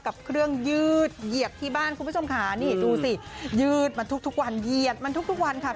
กับเครื่องยืดเหยียบที่บ้านคุณผู้ชมค่ะนี่ดูสิยืดมันทุกวันเหยียดมันทุกวันค่ะ